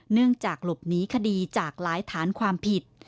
เนื่องจากหลบหนีคดีจากหลายฐานความผิด